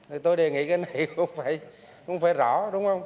thì tôi đề nghị cái này không phải rõ đúng không